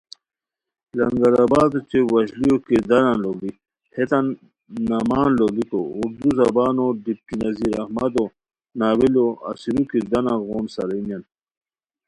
لنگرآباد اوچے وشلیو کرداران لوڑی ہیتان نامان لوڑیکو اردو زبانو ڈپٹی نذیر احمدو ناولہ اسیرو کرداران غون سارئینیان